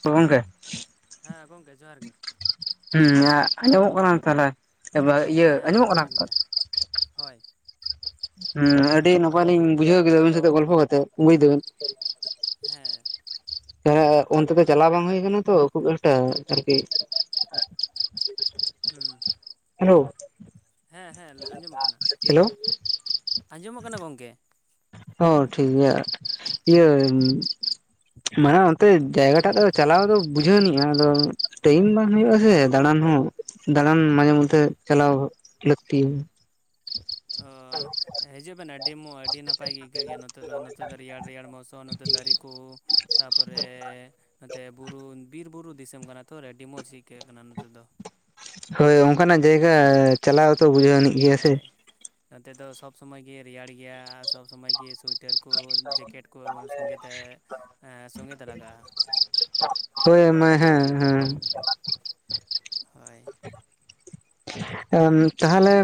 ᱛᱚ ᱜᱚᱝᱠᱮ ᱦᱮᱸ ᱜᱚᱝᱠᱮ ᱡᱚᱦᱟᱨ ᱜᱮ ᱦᱮᱸ ᱟᱸᱡᱚᱢᱚᱜ ᱠᱟᱱᱟ ᱛᱟᱦᱚᱞᱮ ᱦᱮᱸ ᱤᱭᱟᱹ ᱦᱮᱸ ᱟᱸᱡᱚᱢᱚᱜ ᱠᱟᱱᱟ ᱠᱟᱱ ᱛᱚ ᱜᱮᱭᱟ ᱦᱳᱭ ᱦᱮᱸ ᱟᱹᱰᱤ ᱱᱟᱯᱟᱭ ᱞᱤᱧ ᱵᱩᱡᱷᱟᱹᱣ ᱠᱮᱫᱟ ᱟᱹᱵᱤᱱ ᱥᱟᱶᱛᱮᱜ ᱜᱚᱞᱯᱚ ᱠᱟᱛᱮᱜ ᱵᱩᱡ ᱫᱟᱹᱵᱤᱱ ᱦᱮᱸ ᱦᱮ ᱚᱱᱛᱮ ᱫᱚ ᱪᱟᱞᱟᱣ ᱵᱟᱝ ᱦᱩᱭ ᱠᱟᱱᱟ ᱛᱚ ᱠᱷᱩᱵ ᱮᱠᱴᱟ ᱟᱨᱠᱤ [unintelligible] ᱦᱮᱸ ᱦᱮᱞᱳ ᱦᱮᱸ ᱟᱸᱡᱚᱢᱚᱜ ᱠᱟᱱᱟ ᱦᱮᱞᱳᱣ ᱟᱸᱡᱚᱢᱚᱜ ᱠᱟᱱᱟ ᱜᱚᱝᱠᱮ᱾ ᱚ ᱴᱷᱤᱠ ᱜᱮᱭᱟ ᱤᱭᱟᱹ ᱢᱟᱱᱚᱛ᱾ ᱛᱚ ᱡᱟᱭᱜᱟ ᱴᱟᱜ ᱫᱚ ᱪᱟᱞᱟᱣ ᱫᱚ ᱵᱩᱡᱷᱟᱹᱣ ᱞᱮᱱᱟ ᱟᱫᱚ ᱴᱟᱭᱤᱢ ᱵᱟᱝ ᱦᱩᱭᱩᱜ ᱟᱥᱮ ᱫᱟᱬᱟᱱ ᱦᱚᱸ᱾ ᱫᱟᱬᱟᱱ ᱢᱟᱡᱷᱮ ᱢᱚᱫᱽᱫᱷᱮ ᱪᱟᱞᱟᱣ ᱞᱟᱹᱠᱛᱤ᱾ ᱚ ᱦᱤᱡᱩᱜ ᱵᱮᱱ ᱟᱹᱰᱤ ᱢᱚ ᱟᱹᱰᱤ ᱱᱟᱯᱟᱭ ᱜᱮ ᱟᱹᱭᱠᱟᱹᱜ ᱜᱮᱭᱟ ᱱᱚᱛᱮ ᱫᱚ ᱱᱚᱛᱮ ᱫᱚ ᱨᱮᱭᱟᱲ ᱨᱮᱭᱟᱲ ᱢᱚᱥᱩᱢ ᱱᱚᱛᱮ ᱫᱟᱨᱮ ᱠᱚ ᱛᱟᱯᱚᱨᱮ ᱱᱚᱛᱮ ᱵᱩᱨᱩ ᱵᱤᱨᱵᱩᱨᱩ ᱫᱤᱥᱚᱢ ᱠᱟᱱᱟ ᱛᱚ ᱟᱹᱰᱤ ᱢᱚᱸᱡᱽ ᱟᱹᱭᱠᱟᱹᱜ ᱠᱟᱱᱟ ᱱᱚᱛᱮ ᱫᱚ ᱦᱳᱭ ᱚᱱᱠᱟᱱᱟᱜ ᱡᱟᱭᱜᱟ ᱪᱟᱞᱟᱣ ᱛᱚ ᱵᱩᱡᱷᱟᱹᱣᱱᱤᱡ ᱜᱮᱭᱟ ᱥᱮ ᱦᱳᱭ ᱱᱚᱛᱮ ᱫᱚ ᱥᱚᱵᱽ ᱥᱩᱚᱢᱚᱭ ᱜᱮ ᱨᱮᱭᱟᱲ ᱜᱮᱭᱟ ᱥᱚᱵᱽ ᱥᱚᱢᱚᱭ ᱜᱮ ᱥᱩᱭᱤᱴ ᱥᱴᱟᱨ ᱠᱚ ᱡᱮᱠᱮᱴ ᱠᱚ ᱥᱚᱸᱜᱮ ᱛᱮ ᱥᱚᱸᱜᱮ ᱛᱚᱨᱟᱠᱟᱜ -ᱟ ᱦᱳᱭ ᱢᱟ ᱦᱮᱸ ᱦᱮᱸ ᱦᱳᱭ ᱛᱟᱦᱚᱞᱮ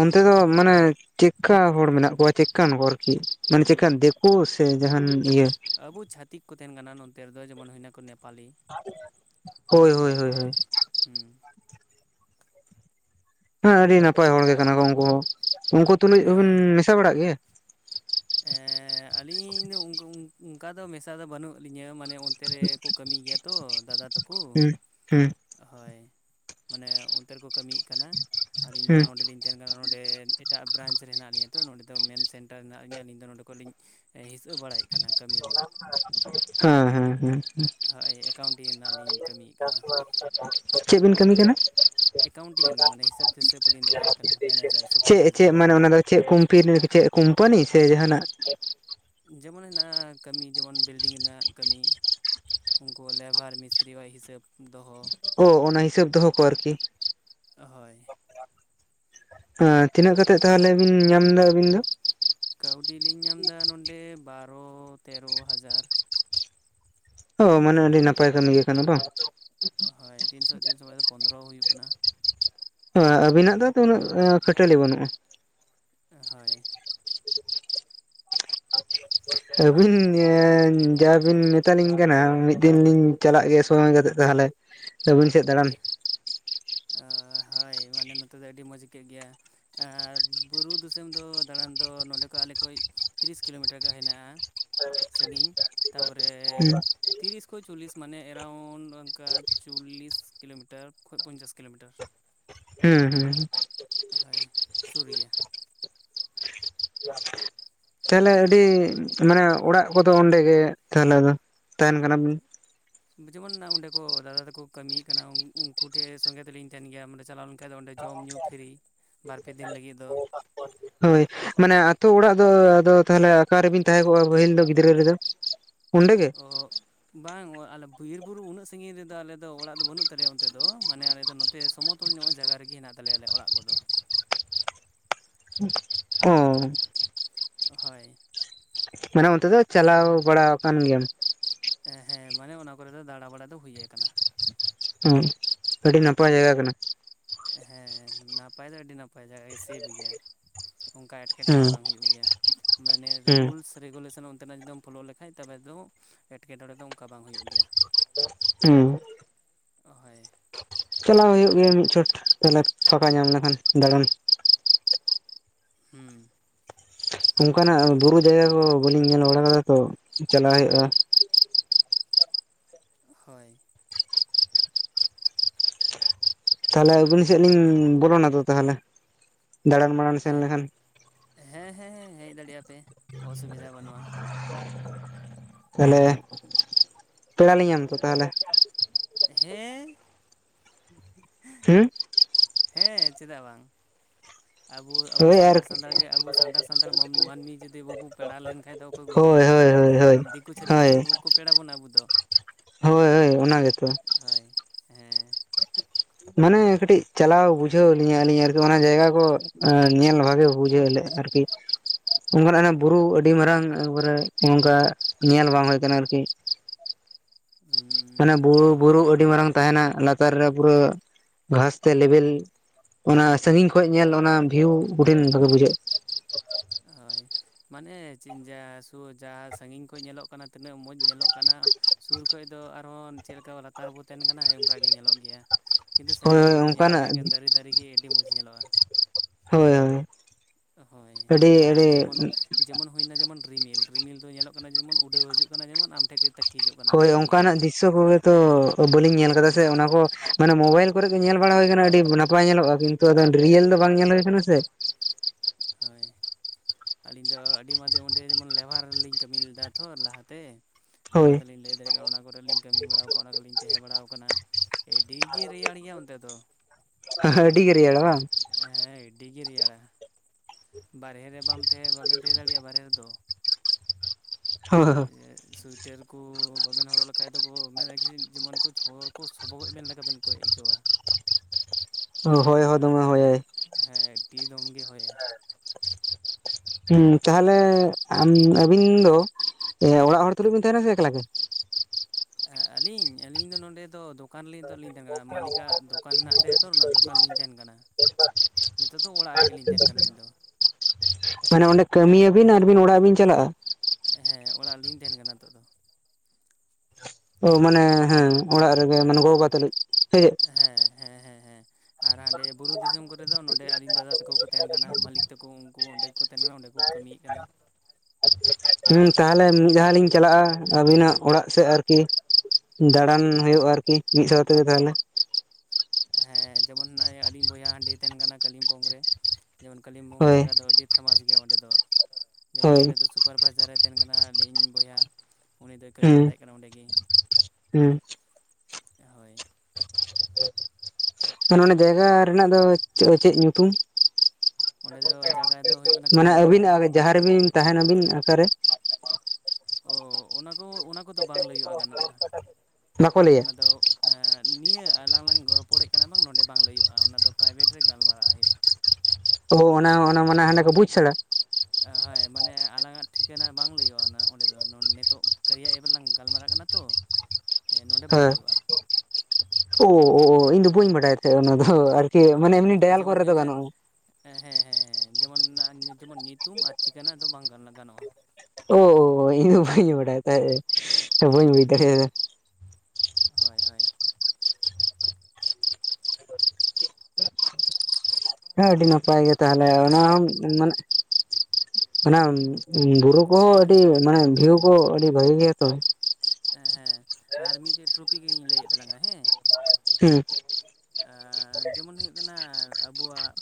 ᱚᱱᱛᱮ ᱫᱚ ᱢᱟᱱᱮ ᱪᱮᱜᱠᱟ ᱦᱚᱲ ᱢᱮᱱᱟᱜ ᱠᱚᱣᱟ ᱪᱮᱫᱠᱟᱱ ᱟᱨᱠᱤ ᱢᱟᱱᱮ ᱪᱤᱠᱠᱟᱱ ᱫᱤᱠᱩ ᱥᱮ ᱡᱟᱦᱟᱱ ᱤᱭᱟᱹ ᱟᱵᱚ ᱪᱷᱟᱛᱤᱠ ᱠᱚ ᱛᱟᱦᱮᱱ ᱠᱟᱱᱟ ᱱᱚᱛᱮ ᱨᱮᱫᱚ ᱡᱮᱢᱚᱱ ᱦᱩᱭᱱᱟᱠᱚ ᱱᱮᱯᱟᱞᱤ ᱦᱳᱭ ᱦᱩᱸ ᱦᱮᱸ ᱟᱹᱰᱤ ᱱᱟᱯᱟᱭ ᱦᱚᱲ ᱜᱮ ᱠᱟᱱᱟ ᱠᱚ ᱩᱱᱠᱩ ᱩᱱᱠᱩ ᱛᱩᱞᱩᱡ ᱦᱚᱸᱵᱤᱱ ᱢᱮᱥᱟ ᱵᱟᱲᱟᱜ ᱜᱮᱭᱟ ᱮᱻ ᱟᱹᱞᱤᱧ ᱫᱚ ᱩᱸ ᱚᱱᱠᱟ ᱫᱚ ᱢᱮᱥᱟ ᱫᱚ ᱵᱟᱹᱱᱩᱜ ᱞᱤᱧᱟᱹ ᱢᱟᱱᱮ ᱚᱱ ᱼᱼ ᱛᱮ ᱨᱮᱠᱚ ᱠᱟᱹᱢᱤᱭ ᱜᱮᱭᱟ ᱛᱚ ᱫᱟᱫᱟ ᱛᱟᱠᱚ ᱦᱩᱸ ᱦᱩᱸ ᱦᱳᱭ ᱢᱟᱱᱮ ᱚᱱᱛᱮ ᱨᱮᱠᱚ ᱠᱟᱹᱢᱤᱭᱮᱫ ᱠᱟᱱᱟ ᱟᱹᱞᱤᱧ ᱫᱚ ᱦᱩᱸ ᱱᱚᱸᱰᱮ ᱞᱤᱧ ᱛᱮᱦᱮᱧ ᱫᱚ ᱱᱚᱸᱰᱮ ᱮᱴᱟᱜ ᱵᱨᱟᱧᱪ ᱨᱮ ᱦᱮᱱᱟᱜ ᱞᱤᱧᱟᱹ ᱛᱚ ᱱᱚᱰᱮ ᱫᱚ ᱢᱮᱱ ᱥᱮᱴᱟᱨ ᱦᱮᱱᱟᱜᱼ ᱟᱹᱞᱤᱧ ᱫᱚ ᱱᱚᱸᱰᱮ ᱠᱷᱚᱱᱞᱤᱧ ᱦᱤᱥᱟᱹ ᱵᱟᱲᱟᱭᱮᱫ ᱠᱟᱱᱟ ᱠᱟᱹᱢᱤ ᱨᱮᱱᱟᱜ ᱦᱮᱸ ᱦᱮᱸ ᱦᱮᱸ ᱦᱳᱭ ᱮᱠᱟᱣᱩᱱᱴ ᱨᱮᱱᱟᱜ ᱞᱤᱧ ᱠᱟᱹᱢᱤᱭᱮᱫ ᱠᱟᱱᱟ ᱪᱮᱫ ᱵᱤᱱ ᱠᱟᱹᱢᱤ ᱠᱟᱱᱟ ᱮᱠᱟᱣᱩᱱᱴᱤᱝ ᱨᱮᱱᱟᱜ ᱢᱟᱱᱮ ᱦᱤᱥᱟᱹᱵ ᱛᱮᱥᱟᱹᱵᱽ ᱞᱤᱧ ᱫᱚᱦᱚᱭᱮᱫ ᱠᱟᱱᱟ ᱢᱮᱱᱮᱡᱟᱨ ᱥᱩᱯᱟᱨ ᱪᱮᱫ ᱵᱷᱟᱭᱡᱟᱨ ᱪᱮᱫ ᱞᱮᱠᱟᱧ ᱢᱟᱱᱮ ᱚᱱᱟ ᱫᱚ ᱪᱮᱫ ᱠᱳᱢᱯᱟᱱᱤ ᱪᱮᱫ ᱠᱳᱢᱯᱟᱱᱤ ᱥᱮ ᱡᱮᱢᱚᱱ ᱦᱮᱱᱟᱜ ᱠᱟᱹᱢᱤ ᱡᱮᱢᱚᱱ ᱵᱤᱞᱰᱤᱝ ᱨᱮᱱᱟᱜ ᱠᱟᱹᱢᱤ ᱩᱱᱠᱩ ᱞᱮᱵᱷᱟᱨ ᱢᱤᱥᱛᱨᱤᱭᱟᱜ ᱦᱤᱥᱟᱹᱵ ᱫᱚᱦᱚ ᱚ ᱚᱱᱟ ᱦᱤᱥᱟᱹᱵ ᱫᱚᱦᱚ ᱠᱚ ᱟᱨᱠᱤ ᱦᱳᱭ ᱚᱮᱸ ᱛᱤᱱᱟᱹᱜ ᱠᱟᱛᱮ ᱛᱟᱦᱞᱮ ᱵᱤᱱ ᱧᱟᱢ ᱫᱟ ᱟᱹᱵᱤᱱ ᱫᱚ ᱠᱟᱹᱣᱰᱤ ᱞᱤᱧ ᱧᱟᱢ ᱫᱟ ᱱᱚᱰᱮ ᱵᱟᱨᱚ ᱛᱮᱨᱚ ᱦᱟᱡᱟᱨ ᱚ ᱢᱟᱱᱮ ᱟᱹᱰᱤ ᱱᱟᱯᱟᱭ ᱠᱟᱹᱢᱤ ᱜᱮ ᱠᱟᱱᱟ ᱵᱟᱝ ᱦᱳᱭ ᱛᱤᱱ ᱥᱚ ᱛᱤᱱ ᱥᱚ ᱠᱟᱛᱮ ᱯᱚᱸᱫᱽᱨᱚ ᱦᱩᱭᱩᱜ ᱠᱟᱱᱟ ᱦᱚ ᱟᱵᱤᱱᱟᱜ ᱫᱚ ᱳᱱᱟᱹᱜ ᱠᱷᱟᱹᱴᱟᱹᱞᱤ ᱵᱟᱹᱱᱩᱜᱼᱟ ᱦᱳᱭ ᱟᱹᱵᱤᱱ [unintelligible] ᱡᱟ ᱵᱤᱱ ᱢᱮᱛᱟᱞᱤᱧ ᱠᱟᱱᱟ ᱢᱤᱫ ᱫᱤᱱ ᱞᱤᱧ ᱪᱟᱞᱟᱜ ᱜᱮ ᱥᱚᱢᱚᱭ ᱠᱟᱛᱮᱫ ᱛᱟᱦᱚᱞᱮ ᱟᱹᱵᱤᱱ ᱥᱮᱫ ᱫᱟᱬᱟᱱ ᱦᱳᱭ ᱢᱟᱱᱮ ᱱᱚᱛᱮ ᱫᱚ ᱟᱹᱰᱤ ᱢᱚᱡᱽ ᱟᱹᱭᱠᱟᱹᱜ ᱜᱮᱭᱟ ᱟᱨ ᱵᱩᱨᱩ ᱫᱤᱥᱚᱢ ᱫᱚ ᱫᱟᱬᱟᱱ ᱫᱚ ᱱᱚᱰᱮ ᱠᱷᱚᱱ ᱟᱞᱮ ᱠᱷ ᱼᱼ ᱛᱤᱨᱤᱥ ᱠᱤᱞᱳᱢᱤᱴᱟᱨ ᱜᱟ ᱦᱮᱱᱟᱜᱼᱟ ᱥᱟᱺᱜᱤᱧ [inaudible] ᱛᱟᱯᱚᱨᱮ ᱦᱩᱸ ᱛᱤᱨᱤᱥ ᱠᱷᱚᱱ ᱪᱚᱞᱞᱤᱥ ᱢᱟᱱᱮ ᱮᱨᱟᱣᱩᱱᱰ ᱚᱱᱠᱟ ᱪᱚᱞᱞᱤᱥ ᱠᱤᱞᱳᱢᱤᱴᱟᱨ ᱠᱷᱚᱱ ᱯᱚᱧᱪᱟᱥ ᱠᱤᱞᱳᱢᱤᱴᱟᱨ ᱦᱩᱸ ᱦᱩᱸ ᱦᱳᱭ ᱥᱩᱨ ᱜᱮᱭᱟ ᱛᱟᱦᱚᱞᱮ ᱟᱹᱰᱤ ᱢᱟᱱᱮ ᱚᱲᱟᱜ ᱠᱚᱫᱚ ᱚᱸᱰᱮ ᱜᱮ ᱛᱟᱦᱚᱞᱮ ᱛᱟᱦᱮᱱ ᱠᱟᱱᱟ ᱵᱤᱱ [inaudible] ᱡᱮᱢᱚᱱ ᱚᱸᱰᱮ ᱠᱚ ᱫᱟᱫᱟ ᱛᱟᱠᱚ ᱠᱟᱹᱢᱤ ᱠᱟᱱᱟ ᱩᱱᱠᱩ ᱴᱷᱮᱱ ᱥᱚᱸᱜᱮ ᱛᱮᱞᱤᱧ ᱛᱟᱦᱮᱱ ᱜᱮᱭᱟ ᱢᱟᱱᱮ ᱪᱟᱞᱟᱣ ᱞᱮᱱᱠᱟᱱᱡ ᱫᱚ ᱚᱸᱰᱮ ᱡᱚᱢ ᱧᱩ ᱯᱷᱨᱤ ᱵᱟᱨᱯᱮ ᱫᱤᱱ ᱞᱟᱹᱜᱤᱫ ᱫᱚ ᱟᱜ [unintelligible] ᱦᱳᱭ ᱢᱟᱱᱮ ᱟᱛᱳ ᱚᱲᱟᱜ ᱫᱚ ᱟᱫᱚ ᱛᱟᱦᱚᱞᱮ ᱚᱠᱟᱨᱮᱵᱤᱱ ᱛᱟᱦᱮᱸ ᱠᱚᱜᱼᱟ ᱯᱟᱹᱦᱤᱞ ᱫᱚ ᱜᱤᱫᱽᱨᱟᱹ ᱨᱮᱫᱚ ᱚᱸᱰᱮ ᱜᱮ ᱚᱜ ᱵᱟᱝ ᱟᱞᱮ ᱵᱤᱨ ᱵᱩᱨᱩ ᱩᱱᱟᱹᱜ ᱥᱟᱺᱜᱤᱧ ᱨᱮᱫᱚ ᱟᱞᱮ ᱫᱚ ᱚᱲᱟᱜ ᱫᱚ ᱵᱟᱹᱱᱩᱜ ᱛᱟᱞᱮᱭᱟ ᱚᱱᱛᱮ ᱫᱚ ᱢᱟᱱᱮ ᱟᱞᱮ ᱫᱚ ᱱᱚ ᱼᱼ ᱛᱮ ᱥᱚᱢᱚᱛᱚᱞ ᱧᱚᱜᱼ ᱡᱟᱭᱜᱟ ᱨᱮᱜᱮ ᱦᱮᱱᱟᱜ ᱛᱟᱞᱮᱭᱟ ᱟᱞᱮ ᱚᱲᱟᱜ ᱠᱚᱫᱚ [inaudible] ᱦᱳᱭ ᱢᱟᱱᱮ ᱚᱱᱛᱮ ᱫᱚ ᱪᱟᱞᱟᱣ ᱵᱟᱲᱟ ᱟᱠᱟᱱ ᱜᱮᱭᱟᱢ ᱦᱮᱸ ᱢᱟᱱᱮ ᱚᱱᱟ ᱠᱚᱨᱮ ᱫᱚ ᱫᱟᱬᱟ ᱵᱟᱲᱟ ᱫᱚ ᱦᱩᱭ ᱠᱟᱱᱟ ᱦᱮᱸ ᱟᱹᱰᱤ ᱱᱟᱯᱟᱭ ᱡᱟᱭᱜᱟ ᱠᱟᱱᱟ ᱦᱮᱸ ᱱᱟᱯᱟᱭ ᱫᱚ ᱟᱹᱰᱤ ᱱᱟᱯᱟᱭ ᱡᱟᱭᱜᱟ ᱜᱮ ᱥᱮᱯᱷ ᱜᱮᱭᱟ ᱚᱱᱠᱟ ᱮᱴᱠᱮᱴᱚᱬᱮ ᱦᱩᱸ ᱵᱟᱝ ᱦᱩᱭᱩᱜ ᱜᱮᱭᱟ ᱢᱟᱱᱮ ᱦᱩᱸ ᱨᱩᱞᱥ ᱨᱮᱜᱩᱞᱮᱥᱚᱱ ᱚᱱᱛᱮᱱᱟᱜ ᱡᱩᱫᱤᱢ ᱯᱷᱳᱞᱳ ᱞᱮᱠᱷᱟᱡ ᱛᱚᱵᱮ ᱫᱚ ᱮᱸᱴᱠᱮᱴᱚᱬᱮ ᱫᱚ ᱚᱱᱠᱟ ᱵᱟᱝ ᱦᱩᱭᱩᱜ ᱜᱮᱭᱟ ᱦᱩᱸ ᱚ ᱦᱳᱭ ᱪᱟᱞᱟᱣ ᱦᱩᱭᱩᱜ ᱜᱮᱭᱟ ᱢᱤᱫ ᱪᱷᱚᱴ ᱵᱚᱞᱮ ᱯᱷᱟᱸᱠᱟ ᱧᱟᱢ ᱞᱮᱠᱷᱟᱱ ᱫᱟᱬᱟᱱ ᱦᱩᱸ ᱚᱱᱠᱟᱱᱟᱜ ᱵᱩᱨᱩ ᱡᱟᱭᱜᱟ ᱠᱚ ᱵᱟᱹᱞᱤᱧ ᱧᱮᱞ ᱵᱟᱲᱟ ᱟᱠᱟᱫᱟ ᱛᱚ ᱪᱟᱞᱟᱜ ᱦᱩᱭᱩᱜᱼᱟ ᱦᱳᱭ ᱛᱟᱦᱚᱞᱮ ᱟᱹᱵᱤᱱ ᱥᱮᱫ ᱞᱤᱧ ᱵᱚᱞᱚᱱᱟ ᱛᱚ ᱛᱟᱦᱚᱞᱮ ᱫᱟᱬᱟᱱ ᱢᱟᱲᱟᱱ ᱥᱮᱱ ᱞᱮᱱᱠᱷᱟᱱ ᱦᱮᱸ ᱦᱮᱸ ᱦᱮᱸ ᱦᱮᱡ ᱫᱟᱲᱮᱭᱟᱜᱼᱟ ᱯᱮ ᱚᱥᱩᱵᱤᱫᱟ ᱵᱟᱹᱱᱩᱜᱼᱟ ᱛᱟᱦᱚᱞᱮ ᱯᱮᱲᱟᱞᱤᱧ ᱧᱟᱢ ᱛᱚ ᱛᱟᱦᱚᱞᱮ ᱦᱮᱸ [inaudible] ᱦᱩᱸ ᱦᱮᱸ ᱪᱮᱫᱟᱜ ᱵᱟᱝ ᱟᱵᱚ ᱟᱵᱚ ᱦᱳᱭ ᱥᱟᱱᱛᱟᱲ ᱟᱨᱠᱤ ᱥᱟᱱᱛᱟᱲ ᱜᱮ ᱟᱵᱚ ᱥᱟᱱᱛᱟᱲ ᱥᱟᱱᱛᱟᱲ ᱢᱟᱹᱱ, ᱢᱟᱹᱱᱢᱤ ᱡᱩᱫᱤ ᱵᱟᱵᱚ ᱯᱮᱲᱟ ᱞᱮᱱᱠᱷᱟᱡ ᱫᱚ ᱚᱠᱚᱭ ᱠᱚᱠᱚ ᱦᱳᱭ ᱯᱮᱲᱟ ᱦᱳᱭ ᱵᱚᱱᱟ, ᱦᱳᱭ ᱦᱳᱭ ᱫᱤᱠᱩ ᱪᱷᱟᱹᱛᱤᱠ ᱛᱚ ᱦᱳᱭ ᱵᱟᱠᱚ ᱯᱮᱲᱟ ᱵᱚᱱᱟ ᱟᱵᱚ ᱫᱚ ᱾ ᱦᱳᱭ ᱦᱳᱭ ᱚᱱᱟ ᱜᱮᱛᱚ ᱦᱚᱭ ᱦᱮᱸ ᱢᱟᱱᱮ ᱠᱟᱹᱴᱤᱡ ᱪᱟᱞᱟᱣ ᱵᱩᱡᱷᱟᱹᱣ ᱞᱤᱧᱟᱹ ᱟᱹᱞᱤᱧ ᱟᱨᱠᱤ ᱚᱱᱟ ᱡᱟᱭᱜᱟ ᱠᱚ ᱟᱹᱻ ᱧᱮᱞ ᱵᱷᱟᱜᱮ ᱵᱩᱡᱷᱟᱹᱣ ᱞᱮᱫ ᱟᱨᱠᱤ ᱿ [inaudible] ᱩᱱ ᱢᱟᱨᱟᱝ ᱟᱜ ᱵᱩᱨᱩ ᱟᱹᱰᱤ ᱢᱟᱨᱟᱝ ᱮᱠ ᱵᱟᱨᱮ ᱚᱱᱠᱟ ᱧᱮᱞ ᱵᱟᱝ ᱦᱩᱭ ᱟᱠᱟᱱᱟ ᱟᱨᱠᱤ ᱦᱩᱸ ᱢᱟᱱᱮ ᱵᱩᱨᱩ ᱵᱩᱨᱩ ᱟᱹᱰᱤ ᱢᱟᱨᱟᱝ ᱛᱟᱦᱮᱸᱱᱟ, ᱞᱟᱛᱟᱨ ᱨᱮ ᱯᱩᱨᱟᱹ ᱜᱷᱟᱥ ᱛᱮ ᱞᱮᱵᱮᱞ ᱚᱱᱟ ᱥᱟᱹᱜᱤᱧ ᱠᱷᱚᱡ ᱧᱮᱞ ᱚᱱᱟ ᱵᱷᱤᱭᱩ ᱠᱩᱴᱷᱤᱱ ᱵᱷᱟᱜᱮ ᱵᱩᱡᱷᱟᱹᱜ ᱦᱳᱭ ᱢᱟᱱᱮ ᱥᱤᱸᱡᱟ ᱥᱩᱡᱟ ᱥᱟᱹᱜᱤᱧ ᱠᱷᱚᱡ ᱧᱮᱞᱚᱜ ᱠᱟᱱᱟ ᱛᱤᱱᱟᱹᱜ ᱢᱚᱸᱡᱽ ᱧᱮᱞᱚᱜ ᱠᱟᱱᱟ ᱥᱩᱨ ᱠᱷᱚᱡ ᱫᱚ ᱟᱨᱦᱚᱸ ᱪᱮᱫ ᱞᱮᱠᱟ ᱞᱟᱛᱟᱨ ᱨᱮ ᱵᱚ ᱛᱟᱦᱮᱸᱱ ᱠᱟᱱᱟ ᱚᱱᱠᱟ ᱟ ᱜᱮ ᱧᱮᱞᱚᱜ ᱜᱮᱭᱟ ᱠᱤᱱᱛᱩ ᱦᱳᱭ ᱥᱟᱹᱜᱤᱧ ᱦᱳᱭ ᱠᱷᱚᱡ ᱫᱚ ᱧᱮᱞᱚᱜ ᱚᱱᱠᱟᱱᱟᱜ ᱜᱮᱭᱟ ᱮᱠᱮᱱ ᱫᱟᱨᱮ ᱫᱟᱨᱮ ᱜᱮ ᱟᱹᱰᱤ ᱢᱚᱡᱽ ᱧᱮᱞᱚᱜᱼᱟ ᱦᱳᱭ ᱦᱳᱭ ᱦᱚᱭ ᱟᱹᱰᱤ ᱟᱨ ᱟᱹᱰᱤ ᱡᱮᱢᱚᱱ ᱡᱮᱢᱚᱱ ᱦᱩᱭᱱᱟ ᱡᱮᱢᱚᱱ ᱨᱤᱢᱤᱞ, ᱨᱤᱢᱤᱞ ᱫᱚ ᱧᱮᱞᱚᱜ ᱠᱟᱱᱟ ᱡᱮᱢᱚᱱ, ᱩᱰᱟᱹᱣ ᱦᱤᱡᱩᱜ ᱠᱟᱱᱟ ᱡᱮᱢᱚᱱ ᱟᱢ ᱴᱷᱮᱱ ᱜᱮ ᱛᱟᱹᱠᱤᱡᱚᱜ ᱠᱟᱱᱟ ᱦᱳᱭ ᱚᱱᱠᱟᱭ ᱚᱱᱠᱟᱱᱟᱜ ᱧᱮᱞᱚᱜᱼᱟ ᱫᱨᱤᱥᱥᱚ ᱠᱚᱜᱮ ᱛᱚ, ᱵᱟᱹᱞᱤᱧ ᱧᱮᱞ ᱟᱠᱟᱫᱟ ᱥᱮ ᱚᱱᱟ ᱠᱚ ᱢᱟᱱᱮ ᱢᱳᱵᱟᱭᱤᱞ ᱠᱚᱨᱮ ᱜᱮ ᱦᱳᱭ ᱧᱮᱞ ᱵᱟᱲᱟ ᱦᱩᱭ ᱟᱠᱟᱱᱟ ᱟᱹᱰᱤ ᱱᱟᱯᱟᱭ ᱧᱮᱞᱚᱜᱼᱟ ᱠᱤᱱᱛᱩ ᱟᱫᱚ ᱨᱤᱭᱮᱞ ᱫᱚ ᱵᱟᱝ ᱧᱮᱞ ᱦᱩᱭ ᱟᱠᱟᱱᱟ ᱥᱮ ᱦᱳᱭ ᱟᱹᱞᱤᱧ ᱫᱚ ᱟᱹᱰᱤ ᱢᱚᱫᱮ ᱚᱸᱰᱮ ᱡᱮᱢᱚᱱ ᱞᱮᱵᱟᱨ ᱞᱤᱧ ᱠᱟᱹᱢᱤ ᱞᱮᱫᱟ ᱛᱷᱚᱨ ᱞᱟᱦᱟᱛᱮ ᱛᱚ ᱦᱳᱭ ᱚᱱᱟ ᱛᱮᱞᱤᱧ ᱞᱟᱹᱭ ᱫᱟᱲᱮᱭᱟᱜ ᱠᱟᱱᱟ ᱚᱱᱟ ᱠᱚᱨᱮ ᱞᱤᱧ ᱠᱟᱹᱢᱤ ᱵᱟᱲᱟ ᱠᱟᱣ ᱚᱱᱟ ᱠᱚᱨᱮ ᱞᱤᱧ ᱛᱟᱦᱮᱸ ᱵᱟᱲᱟᱣ ᱟᱠᱟᱱᱟ ᱟᱹᱰᱤᱜᱮ ᱨᱮᱭᱟᱲ ᱜᱮᱭᱟ ᱚᱱᱛᱮ ᱫᱚ ᱦᱟᱹ ᱦᱟᱸ ᱟᱹᱰᱤ ᱜᱮ ᱨᱮᱭᱟᱲᱟ ᱵᱟᱝ ᱦᱮᱸ ᱟᱹᱰᱤ ᱜᱮ ᱨᱮᱭᱟᱲᱟ ᱵᱟᱨᱦᱮ ᱨᱮ ᱵᱟᱢ ᱛᱟᱦᱮᱸ ᱵᱟᱵᱮᱱ ᱫᱟᱲᱮᱭᱟᱜᱼᱟ ᱵᱟᱨᱦᱮ ᱨᱮᱫᱚ, ᱥᱩᱴ ᱪᱮᱴᱟᱹᱨ ᱠᱚ ᱵᱟᱵᱮᱱ ᱦᱚᱨᱚᱜ ᱞᱮᱠᱷᱟᱡ ᱫᱟᱠᱚ ᱢᱮᱱᱮᱫ ᱫᱟᱹᱧ ᱡᱮᱢᱚᱱ ᱠᱩᱪᱷ ᱦᱚᱲ ᱠᱚ ᱥᱚᱵᱚᱜᱮᱜ ᱵᱮᱱ ᱞᱮᱠᱟ ᱵᱮᱱ ᱠᱚ ᱟᱹᱭᱠᱟᱹᱣᱟ ᱚ ᱦᱚᱭ ᱦᱚ ᱦᱮᱸ ᱟᱹᱰᱤ ᱫᱚᱢ ᱜᱮ ᱦᱳᱭ ᱟᱭᱟ ᱟᱹᱧ ᱦᱩ ᱛᱟ ᱦᱚᱞᱮ ᱟᱢ ᱟᱹᱵᱤᱱ ᱫᱚ ᱤᱭᱟᱹ ᱚᱲᱟᱜ ᱦᱚᱲ ᱛᱩᱞᱩᱡ ᱵᱤᱱ ᱛᱟᱦᱮ ᱱᱟᱥᱮ ᱮᱠᱞᱟ ᱜᱮ ᱟᱹᱜ ᱟᱹᱞᱤᱧ, ᱟᱹᱞᱤᱧ ᱫᱚ ᱱᱚᱸᱰᱮ ᱫᱚ ᱫᱚᱠᱟᱱ ᱨᱮ ᱞᱤᱧ ᱱᱤᱛᱚᱜ ᱫᱚ ᱞᱤᱧ ᱛᱟᱦᱮᱸᱱ ᱠᱟᱱᱟ ᱢᱟᱹᱞᱤᱠᱟᱜ ᱫᱚᱠ ᱫᱚᱠᱟᱱ ᱦᱮᱱᱟᱜ ᱛᱟᱭᱟ ᱛᱚ ᱚᱱᱟ ᱫᱚᱠᱟᱱ ᱨᱮᱞᱤᱧ ᱛᱟᱦᱮᱸᱱ ᱠᱟᱱᱟ ᱱᱤᱛᱳᱜ ᱫᱚ ᱚᱲᱟᱜ ᱨᱮᱜᱮ ᱞᱤᱧ ᱛᱟᱦᱮᱸᱱ ᱠᱟᱱᱟ ᱤᱧ ᱫᱚ ᱢᱟᱱᱮ ᱚᱸᱰᱮ ᱠᱟᱹᱢᱤ ᱭᱟᱵᱤᱱ ᱟᱨ ᱵᱤᱱ ᱚᱲᱟᱜ ᱨᱮ ᱵᱤᱱ ᱪᱟᱞᱟᱜᱼᱟ ᱾ ᱦᱮᱸ ᱚᱲᱟᱜ ᱨᱮ ᱞᱤᱧ ᱛᱟᱦᱮᱱ ᱠᱟᱱᱟ ᱱᱤᱛᱚᱜ ᱫᱚ ᱚ ᱢᱟᱱᱮ ᱦᱮᱸ ᱚᱲᱟᱜ ᱨᱮᱜᱮ ᱢᱟᱱᱮ ᱜᱚ ᱵᱟᱵᱟ ᱛᱩᱞᱩᱡ ᱥᱮ ᱪᱮᱫ ᱦᱮᱸ ᱦᱮᱸ ᱦᱮᱸ ᱦᱮᱸ ᱟᱨ ᱦᱟᱸᱰᱮ ᱵᱩᱨᱩ ᱫᱤᱥᱚᱢ ᱠᱚᱨᱮ ᱫᱚ ᱟᱨ ᱱᱚᱸᱰᱮ ᱟᱹᱞᱤᱧ ᱫᱟᱫᱟ ᱛᱟᱠᱚ ᱠᱚ ᱛᱟᱦᱮᱸᱱ ᱠᱟᱱᱟ ᱢᱟᱹᱞᱤᱠ ᱛᱟᱠᱚ ᱦᱚᱸ ᱩᱱᱠᱩ ᱦᱚᱸ ᱚᱸᱰᱮ ᱠᱚ ᱛᱟᱦᱮᱸᱱ ᱠᱟᱱᱟ ᱚᱸᱰᱮ ᱠᱚ ᱠᱟᱹᱢᱤᱜ ᱠᱟᱱᱟ ᱦᱩᱸ ᱛᱟᱦᱚᱞᱮ ᱢᱤᱫ ᱫᱷᱟᱣ ᱞᱤᱧ ᱪᱟᱞᱟᱜᱼᱟ ᱟᱹᱵᱤᱱᱟᱜ ᱚᱲᱟᱜ ᱥᱮᱫ ᱟᱨᱠᱤ ᱫᱟᱬᱟᱱ ᱦᱩᱭᱩᱜ-ᱟ ᱟᱨᱠᱤ ᱢᱤᱫ ᱥᱟᱶ ᱛᱮᱜᱮ ᱛᱟᱦᱚᱞᱮ ᱦᱮᱸ ᱡᱮᱢᱚᱱ ᱱᱚᱜᱚᱸᱭ ᱟᱹᱞᱤᱧ ᱵᱚᱭᱦᱟ ᱦᱟᱺᱰᱤ ᱛᱟᱦᱮᱱ ᱠᱟᱱᱟ ᱠᱟᱞᱤᱢᱯᱚᱝ ᱨᱮ ᱡᱮᱢᱚᱱ ᱠᱟᱞᱤᱢᱯᱚᱝ ᱦᱳᱭ ᱡᱟᱭᱜᱟ ᱫᱚ ᱟᱹᱰᱤ ᱯᱷᱮᱢᱟᱥ ᱜᱮᱭᱟ ᱚᱸᱰᱮ ᱫᱚ, ᱡᱮᱢᱚᱱ ᱦᱳᱭ ᱚᱸᱰᱮ ᱫᱚ ᱥᱩᱯᱟᱨ ᱵᱷᱟᱭᱡᱟᱨ ᱮ ᱛᱟᱦᱮᱸᱱ ᱠᱟᱱᱟ ᱟᱹᱞᱤᱧ ᱵᱚᱭᱦᱟ ᱩᱱᱤ ᱫᱚᱭ ᱠᱟᱹᱢᱤ ᱦᱩᱸ ᱵᱟᱲᱟᱭᱮᱫ ᱠᱟᱱᱟ ᱚᱸᱰᱮ ᱜᱮ ᱦᱩᱸ ᱦᱳᱭ ᱟᱨ ᱚᱱᱮ ᱡᱟᱭᱜᱟ ᱨᱮᱱᱟᱜ ᱫᱚ ᱪᱮᱫ ᱧᱩᱛᱩᱢ ᱚᱸᱰᱮ ᱫᱚ ᱡᱟᱭᱜᱟ ᱫᱚ ᱦᱩᱭᱩᱜ ᱠᱟᱱᱟ ᱢᱟᱱᱮ ᱟᱹᱵᱤᱱ ᱠᱟᱞᱤᱢᱯᱚᱝ ᱟᱨ ᱡᱟᱦᱟᱸ ᱨᱮᱵᱤᱱ ᱛᱟᱦᱮᱸᱱᱟᱵᱤᱱ ᱚᱠᱟᱨᱮ ᱚ ᱚᱱᱟ ᱠᱚ ᱚᱱᱟ ᱠᱚᱫᱚ ᱵᱟᱝ ᱞᱟᱹᱭ ᱦᱩᱭᱩᱜᱼᱟ ᱜᱟᱱᱚᱜᱼᱟ ᱵᱟᱠᱚ ᱞᱟᱹᱭᱟ ᱚᱱᱟ ᱫᱚ ᱱᱤᱭᱟᱹ ᱟᱞᱟᱝ ᱞᱟᱝ ᱨᱚᱯᱚᱲᱮᱜ ᱠᱟᱱᱟ ᱵᱟᱝ ᱱᱚᱸᱰᱮ ᱵᱟᱝ ᱞᱟᱹᱭᱩᱜᱼᱟ ᱚᱱᱟ ᱫᱚ ᱯᱨᱟᱭᱵᱷᱮᱴ ᱨᱮ ᱜᱟᱞᱢᱟᱨᱟᱣ ᱦᱩᱭᱩᱜᱼᱟ ᱚ ᱚᱱᱟ ᱚᱱᱟ ᱢᱟᱱᱮ ᱦᱟᱱᱟ ᱠᱚ ᱵᱩᱡᱽ ᱥᱟᱲᱟ ᱦᱳᱭ ᱢᱟᱱᱮ ᱟᱞᱟᱝ ᱟᱜ ᱴᱷᱤᱠᱟᱹᱱᱟ ᱵᱟᱝ ᱞᱟᱹᱭᱩᱜᱼᱟ ᱚᱸᱰᱮ ᱫᱚ ᱱᱤᱛᱚᱜ ᱠᱟᱹᱨᱤᱭᱟ ᱮᱯ ᱨᱮᱞᱟᱝ ᱜᱟᱞᱢᱟᱨᱟᱜ ᱠᱟᱱᱟ ᱛᱚ ᱦᱮᱸ ᱱᱚᱸᱰᱮ ᱵᱟᱝ ᱞᱟᱹᱭᱚᱜᱼᱟ ᱳ ᱳ ᱤᱧ ᱫᱚ ᱵᱟᱹᱧ ᱵᱟᱰᱟᱭ ᱛᱟᱦᱮᱸᱜᱼᱟ ᱚᱱᱟ ᱫᱚ ᱟᱨᱠᱤ ᱢᱟᱱᱮ ᱮᱢᱱᱤ ᱰᱟᱭᱟᱞ ᱡᱮᱢᱚᱱ ᱠᱚᱨᱮ ᱫᱚ ᱦᱩᱭᱱᱟ ᱜᱟᱱᱚᱜᱼᱟ ᱦᱮᱸ ᱦᱮᱸ ᱦᱮᱸ ᱡᱮᱢᱚᱱ ᱡᱮᱢᱚᱱ ᱧᱩᱛᱩᱢ ᱟᱨ ᱴᱷᱤᱠᱟᱱᱟ ᱫᱚ ᱵᱟᱝ ᱜᱟᱱᱚᱜᱼᱟ ᱳ ᱳ ᱳ ᱤᱧ ᱫᱚ ᱵᱟᱹᱧ ᱵᱟᱲᱟᱭ ᱛᱟᱦᱮᱸᱜ ᱵᱟᱹᱧ ᱵᱩᱡᱽ ᱫᱟᱲᱮᱭᱟᱫᱟ ᱦᱳᱭ ᱦᱳᱭ ᱦᱮᱸ ᱟᱹᱰᱤ ᱱᱟᱯᱟᱭ ᱜᱮ ᱛᱟᱦᱚᱞᱮ ᱚᱱᱟ ᱦᱚᱢ ᱢᱟᱱᱮ ᱚᱱᱟᱢ ᱵᱩᱨᱩ ᱠᱚᱦᱚᱸ ᱦᱳᱭ ᱟᱹᱰᱤ ᱢᱟᱱᱮ ᱵᱷᱤᱭᱩ ᱠᱚ ᱟᱹᱰᱤ ᱵᱷᱟᱹᱜᱤ ᱜᱮᱭᱟ ᱛᱚ ᱦᱮᱸ ᱦᱮᱸ ᱟᱨ ᱢᱤᱫ ᱴᱮᱡ ᱴᱚᱯᱤᱠ ᱤᱧ ᱞᱟᱹᱭᱮᱫ ᱛᱟᱞᱟᱝᱼᱟ ᱦᱮᱸ ᱦᱮᱸ ᱡᱮᱢᱚᱱ ᱦᱩᱭᱩᱜ ᱠᱟᱱᱟ ᱟᱵᱚᱣᱟᱜ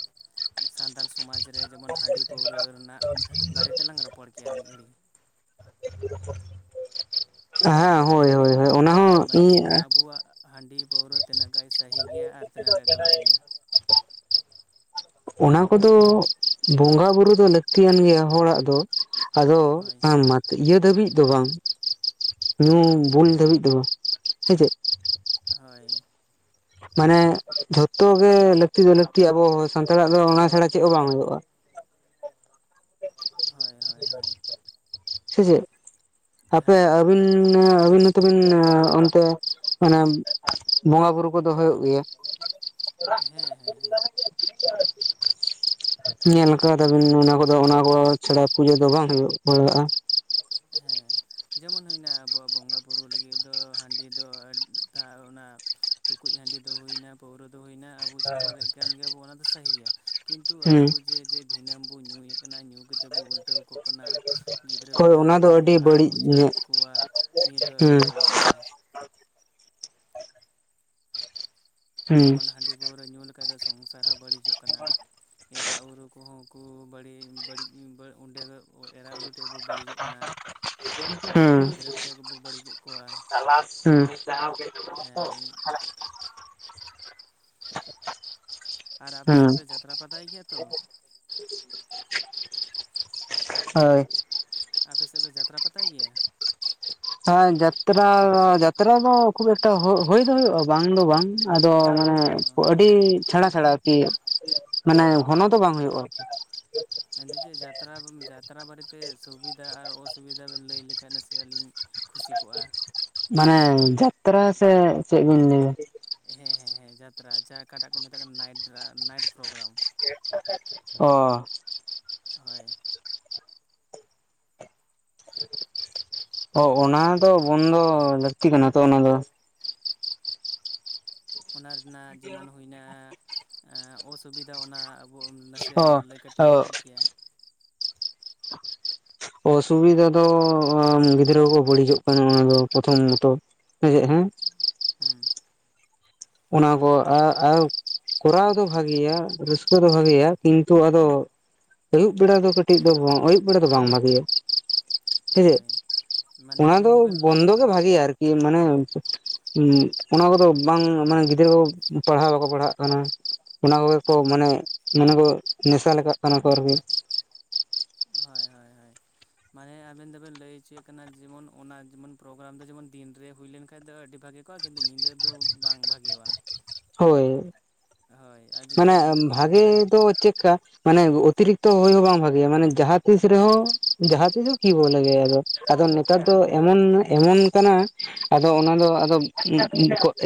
ᱥᱟᱱᱛᱟᱲ ᱥᱚᱢᱟᱡᱽ ᱨᱮ ᱡᱮᱢᱚᱱ ᱦᱟᱺᱰᱤ ᱯᱟᱹᱣᱨᱟᱹ ᱨᱮᱱᱟᱜ ᱵᱟᱨᱮ ᱛᱮᱞᱟᱝ ᱨᱚᱯᱚᱲ ᱠᱮᱭᱟ ᱢᱤᱫ ᱜᱷᱟᱹᱲᱤ ᱦᱮᱸ ᱦᱳᱭ ᱢᱟᱱᱮ ᱦᱳᱭ ᱦᱳᱭ ᱚᱱᱟ ᱦᱚᱸ ᱦᱮᱸ ᱢᱟ ᱤᱧ ᱡᱮᱢᱚᱱ ᱟᱵᱚᱣᱟᱜ ᱦᱟᱺᱰᱤ ᱯᱟᱹᱣᱨᱟᱹ ᱛᱤᱱᱟᱹᱜ ᱜᱟᱡ ᱥᱟᱹᱦᱤ ᱜᱮᱭᱟ ᱟᱨ ᱛᱤᱱᱟᱹᱜ ᱜᱟᱱ ᱜᱟᱞᱟᱛ ᱜᱮᱭᱟ ᱚᱱᱟ ᱠᱚᱫᱚ ᱵᱚᱸᱜᱟ ᱵᱩᱨᱩ ᱫᱚ ᱞᱟᱹᱠᱛᱤᱭᱟᱱ ᱜᱮᱭᱟ ᱦᱚᱲᱟᱜ ᱫᱚ ᱟᱫᱚ ᱦᱳᱭ ᱟᱢ ᱤᱭᱟᱹ ᱫᱷᱟᱹᱵᱤᱡ ᱫᱚ ᱵᱟᱝ ᱧᱩ ᱵᱩᱞ ᱫᱷᱟᱹᱵᱤᱡ ᱫᱚ ᱵᱟᱝ ᱥᱮ ᱪᱮᱫ ᱦᱳᱭ ᱢᱟᱱᱮ ᱡᱷᱚᱛᱚ ᱜᱮ ᱞᱟᱹᱠᱛᱤ ᱫᱚ ᱞᱟᱹᱠᱛᱤᱟ ᱟᱵᱚ ᱥᱟᱱᱛᱟᱲᱟᱜ ᱫᱚ ᱚᱱᱟ ᱪᱷᱟᱲᱟ ᱪᱮᱫ ᱦᱚᱸ ᱵᱟᱝ ᱦᱩᱭᱩᱜᱼᱟ ᱦᱳᱭ ᱦᱳᱭ ᱦᱳᱭ ᱥᱮ ᱪᱮᱫ ᱟᱯᱮ ᱦᱮᱸ ᱟᱹᱵᱤᱱ ᱟᱹᱵᱤᱱ ᱦᱚᱸ ᱛᱚᱵᱤᱱ ᱚᱱᱛᱮ ᱢᱟᱱᱮ ᱵᱚᱸᱜᱟ ᱵᱩᱨᱩ ᱠᱚᱫᱚ ᱦᱩᱭᱩᱜ ᱜᱮᱭᱟ [unintelligible] ᱦᱮᱸ ᱦᱮᱸ ᱦᱮᱸ [unintelligible] ᱧᱮᱞ ᱠᱟᱫᱟᱵᱤᱱ ᱚᱱᱟ ᱠᱚᱫᱚ ᱟᱫᱚ ᱚᱱᱟ ᱠᱚ ᱪᱷᱟᱲᱟ ᱯᱩᱡᱟᱹ ᱫᱚ ᱵᱟᱝ ᱦᱩᱭᱩᱜ ᱵᱟᱲᱟᱜᱼᱟ ᱦᱮᱸ ᱡᱮᱢᱚᱱ ᱦᱩᱭᱱᱟ ᱟᱵᱚᱣᱟᱜ ᱵᱚᱸᱜᱟ ᱵᱩᱨᱩ ᱞᱟᱹᱜᱤᱫ ᱫᱚ ᱦᱟᱺᱰᱤ ᱫᱚ ᱚᱱᱟ ᱴᱩᱠᱩᱡ ᱦᱟᱺᱰᱤ ᱫᱚ ᱦᱩᱭᱱᱟ ᱯᱟᱹᱣᱨᱟᱹ ᱫᱚ ᱦᱩᱭᱱᱟ ᱟᱵᱚ ᱪᱚᱰᱚᱨᱮᱫ ᱠᱟᱱ ᱜᱮᱭᱟᱵᱚ ᱚᱱᱟ ᱫᱚ ᱥᱟᱹᱦᱤ ᱜᱮᱭᱟ ᱠᱤᱱᱛᱩ ᱦᱩᱸ ᱟᱵᱚ ᱡᱮ ᱡᱮ ᱫᱷᱤᱱᱟᱹᱢ ᱵᱚ ᱧᱩᱭᱮᱫ ᱠᱟᱱᱟ ᱧᱩ ᱠᱟᱛᱮᱫ ᱵᱚ ᱩᱞᱴᱟᱹᱣ ᱠᱚᱜ ᱠᱟᱱᱟ ᱜᱤᱫᱽᱨᱟᱹ ᱦᱳᱭ ᱯᱤᱫᱽᱨᱟᱹ ᱚᱱᱟ ᱫᱚ ᱵᱟᱵᱚᱱ ᱟᱹᱰᱤ ᱯᱟᱲᱦᱟᱣ ᱵᱟᱹᱲᱤᱡ ᱧᱚᱜ ᱚᱪᱚᱭᱮᱫ ᱠᱚᱣᱟ ᱱᱤᱭᱟᱹ ᱫᱚ ᱦᱩᱸ ᱟᱹᱰᱤ ᱵᱟᱹᱲᱤᱡ ᱜᱮᱭᱟ ᱦᱩᱸ ᱡᱮᱢᱚᱱ ᱦᱟᱺᱰᱤ ᱯᱟᱹᱣᱨᱟᱹ ᱧᱩ ᱞᱮᱠᱷᱟᱡ ᱫᱚ ᱥᱚᱝᱥᱟᱨ ᱦᱚᱸ ᱵᱟᱹᱲᱤᱡᱚᱜ ᱠᱟᱱᱟ ᱮᱨᱟ ᱩᱨᱩ ᱠᱚᱦᱚᱸ ᱠᱳ ᱵᱟᱹᱲᱤᱡ ᱵᱟᱹᱲᱤᱡ ᱚᱸᱰᱮ ᱮᱨᱟ ᱩᱨᱩ ᱴᱷᱮᱡ ᱦᱚᱸᱵᱚ ᱵᱟᱹᱲᱤᱡᱚᱜ ᱠᱟᱱᱟ ᱜᱤᱫᱽᱨᱟᱹ ᱠᱚᱴᱷᱮᱡ ᱜᱮᱵᱚ ᱵᱟᱹᱲᱤᱡᱚᱜ ᱠᱟᱱᱟ ᱪ ᱦᱮᱸ [unintelligible] ᱟᱨ ᱟᱯᱮ ᱦᱩᱸ ᱥᱮᱫ ᱯᱮ ᱡᱟᱛᱨᱟ ᱯᱟᱛᱟᱭ ᱜᱮᱭᱟ ᱛᱚ ᱦᱳᱭ ᱟᱯᱮ ᱥᱮᱫ ᱯᱮ ᱡᱟᱛᱨᱟ ᱯᱟᱛᱟᱭ ᱜᱮᱭᱟ ᱦᱮᱸ ᱡᱟᱛᱨᱟ ᱡᱟᱛᱨᱟ ᱫᱚ ᱠᱷᱩᱵ ᱮᱠᱴᱟ ᱦᱩᱭ ᱫᱚ ᱦᱩᱭᱩᱜᱼᱟ ᱵᱟᱝ ᱫᱚ ᱵᱟᱝ ᱟᱫᱚ ᱢᱟᱱᱮ ᱚ ᱟᱹᱰᱤ ᱪᱷᱟᱲᱟ ᱪᱷᱟᱲᱟ ᱠᱤ ᱢᱟᱱᱮ ᱜᱷᱚᱱᱚ ᱫᱚ ᱵᱟᱝ ᱦᱩᱭᱩᱜᱼᱟ ᱟᱨᱠᱤ ᱢᱮᱱ ᱫᱟᱹᱧ ᱡᱮ ᱡᱟᱛᱨᱟ ᱡᱟᱛᱨᱟ ᱵᱟᱨᱮᱛᱮ ᱥᱩᱵᱤᱫᱟ ᱟᱨ ᱚᱥᱩᱵᱤᱫᱟ ᱵᱮᱱ ᱞᱟᱹᱭ ᱞᱮᱠᱷᱟᱱ ᱱᱟᱥᱮ ᱟ ᱞᱤᱧ ᱠᱷᱩᱥᱤ ᱠᱚᱜᱼᱟ ᱢᱟᱱᱮ ᱡᱟᱛᱨᱟ ᱥᱮ ᱪᱮᱫ ᱵᱤᱱ ᱞᱟᱹᱭᱫᱟ ᱦᱮᱸ ᱦᱮᱸ ᱦᱮᱸ ᱡᱟᱛᱨᱟ ᱡᱟᱦᱟᱸ ᱚᱠᱟᱴᱟᱜ ᱠᱚ ᱢᱮᱛᱟᱜ ᱠᱟᱱᱟ ᱱᱟᱭᱤᱴ ᱱᱟᱭᱤᱴ ᱯᱨᱳᱜᱨᱟᱢ ᱴᱪ [unintelligible] ᱚ ᱦᱳᱭ ᱚ ᱚᱱᱟ ᱫᱚ ᱵᱚᱱᱫᱚ ᱞᱟᱹᱠᱛᱤ ᱠᱟᱱᱟ ᱛᱚ ᱚᱱᱟ ᱫᱚ᱾ ᱚᱱᱟ ᱨᱮᱱᱟᱜ ᱡᱮᱢᱚᱱ ᱦᱩᱭᱱᱟ ᱚᱥᱩᱵᱤᱫᱷᱟ ᱚᱱᱟ ᱾ ᱟᱵᱚ ᱱᱟᱥᱮᱭᱟᱜ ᱮᱢ ᱞᱟᱹᱭ ᱠᱟᱹᱴᱤᱡᱮᱢ ᱚ ᱠᱮᱭᱟ ᱾ ᱚᱥᱩᱵᱤᱫᱟ ᱫᱚ ᱜᱤᱫᱽᱨᱟᱹ ᱠᱚ ᱵᱟᱹᱲᱤᱡᱚᱜ ᱠᱟᱱᱟ ᱾ ᱚᱱᱟ ᱫᱚ ᱯᱨᱚᱛᱷᱚᱢ ᱢᱚᱛᱚ᱾ ᱦᱮᱸ ᱥᱮᱪ ᱦᱮᱸ᱾ [unintelligible] ᱦᱮᱸ ᱚᱱᱟ ᱠᱚ [unintelligible] ᱠᱚᱨᱟᱣ ᱫᱚ ᱵᱷᱟᱜᱮᱭᱟ ᱨᱟᱹᱥᱠᱟᱹ ᱫᱚ ᱵᱷᱟᱜᱮᱭᱟ ᱠᱤᱱᱛᱩ ᱟᱫᱚ ᱟᱹᱭᱩᱵ ᱵᱮᱲᱟ ᱫᱚ ᱠᱟᱹᱴᱤᱡ ᱫᱚ, ᱟᱹᱭᱩᱵ ᱵᱮᱲᱟ ᱫᱚ ᱵᱟᱝ ᱵᱷᱟᱹᱜᱮᱭᱟ ᱾ ᱥᱮ ᱪᱮᱫ? ᱦᱳᱭ ᱢᱟᱱᱮ ᱚᱱᱟ ᱫᱚ ᱟᱵᱮᱱ ᱫᱚᱵᱮᱱ ᱞᱟᱹᱭ ᱵᱚᱱᱫᱚ ᱜᱮ ᱵᱷᱟᱜᱮᱭᱟ ᱟᱨ ᱠᱤ᱾ ᱢᱟᱱᱮ ᱚᱱᱟ ᱠᱚᱫᱚ ᱵᱟᱝ ᱢᱟᱱᱮ ᱜᱤᱫᱽᱨᱟᱹ ᱠᱚ ᱯᱟᱲᱦᱟᱣ ᱵᱟᱠᱚ ᱯᱟᱲᱦᱟᱜ ᱠᱟᱱᱟ᱾ ᱚᱱᱟ ᱠᱚᱜᱮ ᱠᱚ ᱢᱟᱱᱮ, ᱢᱟᱱᱮ ᱠᱚ ᱱᱮᱥᱟ ᱞᱮᱠᱟᱜ ᱠᱟᱱᱟ ᱠᱚ ᱟᱨ ᱠᱤ᱾ ᱦᱳᱭ ᱦᱳᱭ ᱦᱳᱭ ᱾ ᱢᱟᱱᱮ ᱟᱵᱮᱱ ᱫᱚᱵᱮᱱ ᱞᱟᱹᱭ ᱚᱪᱚᱭᱮᱫ ᱢᱟᱱᱮ ᱟᱵᱤᱱ ᱫᱚᱵᱤᱱ ᱞᱟ. ᱭ ᱦᱚᱪᱚᱭ ᱮᱫ ᱢᱟᱱᱮ ᱟᱵᱤᱱ ᱫᱚᱵᱤᱱ ᱞᱟᱹᱭ ᱦᱚᱪᱚᱭᱮᱫ ᱠᱟᱱᱟ᱾ ᱡᱮᱢᱚᱱ ᱚᱱᱟ ᱡᱮᱢᱚᱱ ᱯᱨᱳᱜᱨᱟᱢ ᱫᱚ ᱡᱮᱢᱚᱱ ᱫᱤᱱᱨᱮ ᱦᱩᱭ ᱞᱮᱱ ᱫᱚ ᱟᱹᱰᱤ ᱵᱷᱟᱜᱮ ᱠᱤᱱᱛᱩ ᱧᱤᱫᱟᱹ ᱫᱚ ᱵᱟᱝ ᱵᱷᱟᱜᱮᱭᱟ ᱵᱟᱝ, ᱦᱳᱭ ᱦᱳᱭ ᱡᱩᱫᱤ ᱢᱟᱱᱮ ᱧᱤᱫᱟᱹ ᱦᱩᱭ ᱵᱷᱟᱜᱮ ᱞᱮᱱᱠᱷᱟᱡ ᱫᱚ ᱪᱮᱫᱠᱟ ᱢᱟᱱᱮ ᱚᱛᱤᱨᱤᱠᱛᱚ ᱦᱩᱭ ᱦᱚᱸ ᱵᱟᱝ ᱵᱷᱟᱜᱮᱭᱟ ᱾ᱢᱟᱱᱮ ᱡᱟᱦᱟᱸ ᱛᱤᱥ ᱨᱮᱦᱚᱸ ᱡᱟᱦᱟᱸ ᱛᱤᱥ ᱦᱚᱸ ᱠᱤ ᱵᱚᱞᱜᱮ [unintelligible] ᱟ ᱟᱫᱚ ᱱᱮᱛᱟᱨ ᱫᱚ ᱦᱩᱸ ᱮᱢᱚᱱ ᱮᱢᱚᱱ ᱠᱟᱱᱟ, ᱟᱫᱚ ᱚᱱᱟ ᱫᱚ ᱟᱫᱚ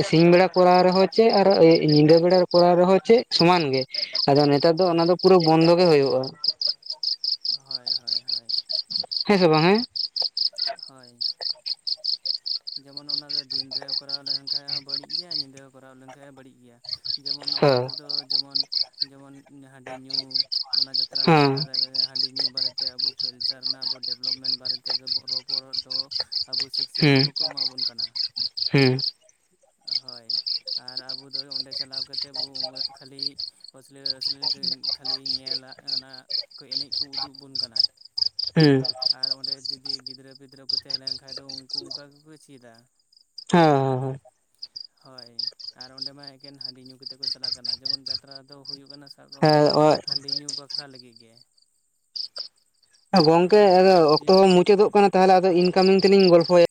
ᱥᱤᱧ ᱵᱮᱲᱟ ᱠᱚᱨᱟᱣ ᱨᱮᱦᱚᱸ ᱪᱮᱫ ᱟᱨ ᱧᱤᱫᱟᱹ ᱵᱮᱲᱟ ᱠᱚᱨᱟᱣ ᱨᱮᱦᱚᱸ ᱪᱮᱫ ᱥᱚᱢᱟᱱ ᱜᱮ᱾ ᱟᱫᱚ ᱱᱮᱛᱟᱨ ᱫᱚ ᱦᱳᱭ ᱚᱱᱟ ᱫᱚ ᱯᱩᱨᱟᱹ ᱵᱚᱱᱫᱚ ᱜᱮ ᱦᱳᱭᱳᱜᱼᱟ᱾ ᱦᱳᱭ ᱦᱳᱭ ᱦᱳᱭ᱾ ᱦᱮᱸ ᱥᱮ ᱵᱟᱝ ᱦᱮᱸ? ᱦᱳᱭ ᱡᱮᱢᱚᱱ ᱚᱱᱟ ᱫᱤᱱᱨᱮ ᱠᱚᱨᱟᱣ ᱞᱮᱱᱠᱷᱟᱡ ᱦᱚᱸ ᱵᱟᱹᱲᱤᱡ ᱜᱮᱭᱟ ᱾ᱧᱤᱫᱟᱹ ᱦᱚᱸ ᱠᱚᱨᱟᱣ ᱞᱮᱱᱠᱷᱟᱡ ᱵᱟᱹᱲᱤᱡ ᱜᱮᱭᱟ᱾ ᱡᱮᱢᱚᱱ ᱚᱱᱟ ᱦᱮᱸ ᱛᱮᱫᱚ ᱡᱮᱢᱚᱱ, ᱡᱮᱢᱚᱱ ᱦᱟᱺᱰᱤ ᱧᱩ ᱚᱱᱟ ᱡᱟᱛᱨᱟ ᱯᱟᱛᱟ ᱨᱮ ᱦᱟᱺᱰᱤ ᱧᱩ ᱵᱟᱨᱮ ᱛᱮ, ᱟᱵᱚ ᱠᱟᱞᱪᱟᱨ ᱨᱮᱱᱟᱜ ᱟᱵᱚ ᱰᱮᱵᱷᱞᱚᱯᱢᱮᱱᱴ ᱵᱟᱨᱮ ᱛᱮ ᱨᱚᱯᱚᱲ ᱫᱚ᱾ ᱟᱵᱚ ᱥᱤᱠᱥᱤᱛ [unintelligible] ᱫᱚ ᱦᱮᱸ ᱵᱟᱠᱚ ᱮᱢᱟ ᱵᱚᱱ ᱠᱟᱱᱟ᱾ ᱦᱮᱸ ᱦᱳᱭ ᱟᱨ ᱟᱵᱚ ᱫᱚ ᱚᱸᱰᱮ ᱪᱟᱞᱟᱣ ᱠᱟᱛᱮᱫ ᱵᱚ ᱠᱷᱟᱹᱞᱤ, [unintelligible] ᱠᱷᱟᱹᱞᱤ ᱧᱮᱞᱟ᱾ ᱚᱱᱟ ᱠᱚᱹᱡ ᱮᱱᱮᱡᱽ ᱠᱚ ᱩᱫᱩᱜ ᱟᱵᱚᱱ ᱠᱟᱱᱟ᱾ ᱦᱮᱸ ᱟᱨ ᱚᱸᱰᱮ ᱡᱚᱫᱤ ᱜᱤᱫᱽᱨᱟᱹ ᱯᱤᱫᱽᱨᱟᱹ ᱠᱚ ᱛᱟᱦᱮᱸ ᱞᱮᱱᱠᱷᱷᱟ ᱫᱚ ᱩᱱᱠᱩ ᱚᱱᱠᱟ ᱜᱮᱠᱚ ᱪᱤᱫᱟ᱾ ᱦᱮᱸᱻᱦᱮᱸ ᱦᱳᱭ ᱟᱨ ᱚᱸᱰᱮ ᱢᱟ ᱮᱠᱮᱱ ᱦᱟᱺᱰᱤ ᱧᱩ ᱠᱟᱛᱮ ᱠᱚ ᱪᱟᱞᱟᱜ ᱠᱟᱱᱟ ᱾ᱡᱮᱢᱚᱱ ᱡᱟᱛᱨᱟ ᱫᱚ ᱦᱩᱭᱩᱜ ᱠᱟᱱᱟ ᱥᱟᱵ ᱠᱟᱜ ᱢᱮ ᱦᱟᱺᱰᱤ ᱧᱩ ᱵᱟᱠᱷᱨᱟ ᱞᱟᱜᱤ ᱜᱮ᱾ ᱜᱚᱝᱠᱮ ᱦᱳᱭ ᱟᱫᱚ ᱟᱨ ᱡᱩᱫᱤ ᱚᱠᱛᱚ ᱦᱚᱸ ᱢᱩᱪᱟᱹᱫᱚᱜ ᱠᱟᱱᱟ᱾ ᱛᱟᱦᱚᱞᱮ ᱟᱫᱚ ᱤᱱᱠᱟᱢᱤᱝ ᱛᱮᱞᱤᱧ ᱜᱚᱞᱯᱷᱚᱭᱟ᱾